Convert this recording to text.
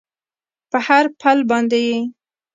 په هر پل باندې یې